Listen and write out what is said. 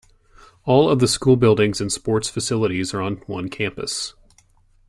All of the school buildings and sports facilities are on one campus.